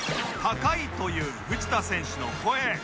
高いという藤田選手の声